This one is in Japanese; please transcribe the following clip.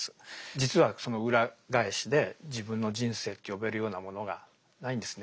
実はその裏返しで自分の人生と呼べるようなものがないんですね。